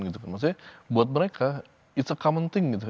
maksudnya buat mereka itu hal yang biasa